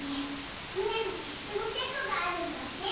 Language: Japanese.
船のシステムチェックがあるんだって。